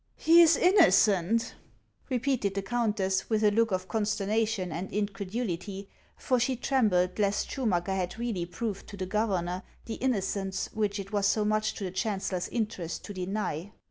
" He is innocent !" repeated the countess, with a look of consternation and incredulity ; for she trembled lest Schu macker had really proved to the governor the innocence which it was so much to the chancellor's interest to deny.